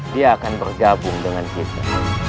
dia akan bergabung dengan kita